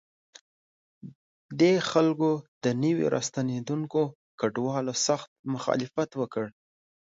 دې خلکو د نویو راستنېدونکو کډوالو سخت مخالفت وکړ.